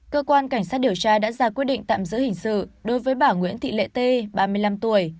cơ quan cảnh sát điều tra đã ra quyết định tạm giữ hình sự đối với bà nguyễn thị lệ t ba mươi năm tuổi